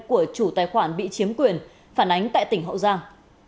của chủ tài khoản bị chiếm quyền phản ánh tại tỉnh hậu giang